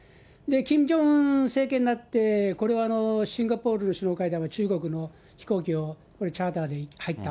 キム・ジョンウン政権になって、これはシンガポール首脳会談、中国の飛行機をこれ、チャーターで入った。